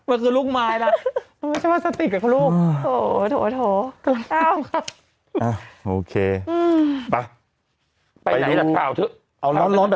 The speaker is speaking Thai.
มันคือลูกไม้ล่ะ